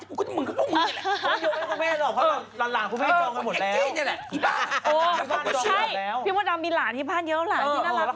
แล้วเขาก็เป็นสัตว์สบานสวนถ้าจะน้ำอดัมเป็นอะไรเขาแบ่งกันหมดแล้ว